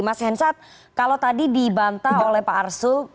mas henshat kalau tadi dibantah oleh pak arso